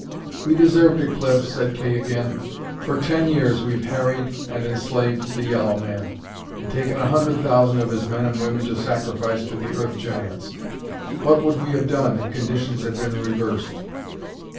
"We deserved it, Cliff," said Kay again. "For ten years we've harried and enslaved the yellow man, and taken a hundred thousand of his men and women to sacrifice to the Earth Giants. What would we have done, if conditions had been reversed?"